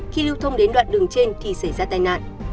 khi lưu thông đến đoạn đường trên thì xảy ra tai nạn